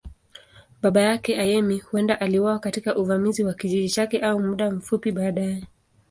Baba yake, Ayemi, huenda aliuawa katika uvamizi wa kijiji chake au muda mfupi baadaye.